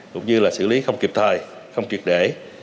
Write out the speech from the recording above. cũng như là xử lý không kịp thời không triệt để